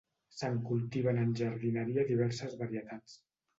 Se'n cultiven en jardineria diverses varietats.